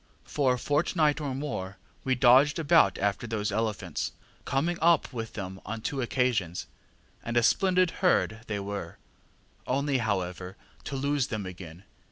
For a fortnight or more we dodged about after those elephants, coming up with them on two occasions, and a splendid herd they were only, however, to lose them again.